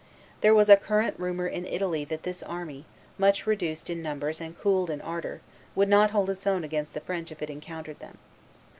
There was a current rumor in Italy that this army, much reduced in numbers and cooled in ardor, would not hold its own against the French if it encountered them.